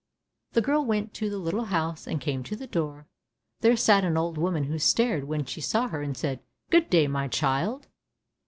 The girl went to the little house, and came to the door. There sat an old woman who stared when she saw her, and said, "Good day my child."